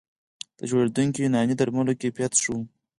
د جوړېدونکو یوناني درملو کیفیت ښه و